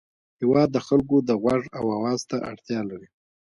هېواد د خلکو د غوږ او اواز ته اړتیا لري.